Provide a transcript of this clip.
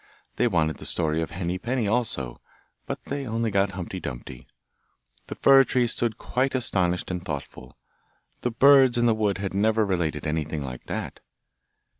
They wanted the story of Henny Penny also, but they only got Humpty Dumpty. The fir tree stood quite astonished and thoughtful; the birds in the wood had never related anything like that.